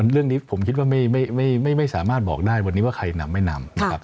เรื่องนี้ผมคิดว่าไม่สามารถบอกได้วันนี้ว่าใครนำไม่นำนะครับ